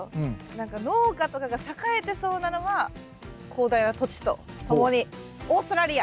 何か農家とかが栄えてそうなのは広大な土地とともにオーストラリア。